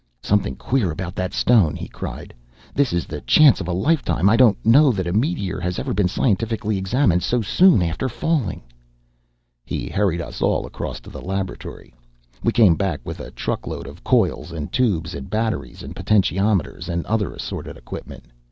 "Something queer about that stone!" he cried. "This is the chance of a lifetime! I don't know that a meteor has ever been scientifically examined so soon after falling." He hurried us all across to the laboratory. We came back with a truck load of coils and tubes and batteries and potentiometers and other assorted equipment.